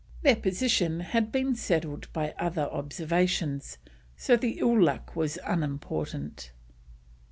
Their position had been settled by other observations, so the ill luck was unimportant.